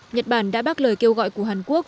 nhật bản đã bác lời kêu gọi của hàn quốc